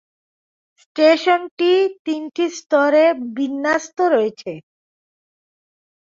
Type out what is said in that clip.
স্টেশনটি তিনটি স্তরে বিন্যস্ত রয়েছে।